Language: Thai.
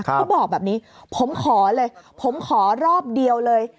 เขาบอกแบบนี้ผมขอเลยผมขอรอบเดียวเลย